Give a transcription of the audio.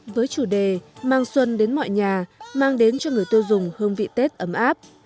với chủ đề mang xuân đến mọi nhà mang đến cho người tiêu dùng hương vị tết ấm áp